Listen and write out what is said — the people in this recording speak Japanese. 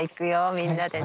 みんなでね。